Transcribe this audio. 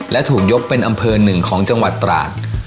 และถูกยกเป็นอำเภอหนึ่งของจังหวัดตราด